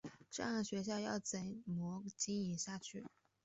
这样的学校要怎么经营下去？